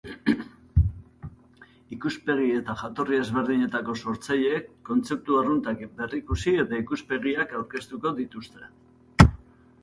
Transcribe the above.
Ikuspegi eta jatorri ezberdinetako sortzaileek kontzeptu arruntak berrikusi eta ikuspegiak aurkeztuko dituzte.